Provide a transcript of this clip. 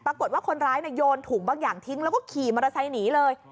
ปรากฏว่าคนร้ายโยนถุงบางอย่างทิ้งแล้วก็ขี่มอเตอร์ไซค์หนีเลย